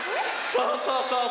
そうそうそうそう！